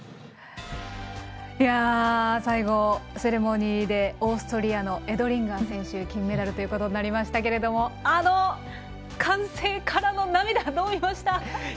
最後、セレモニーでオーストリアのエドリンガー選手が金メダルということになりましたがあの歓声からの涙はどう見ました？